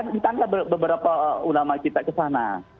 di tanda beberapa ulama kita kesana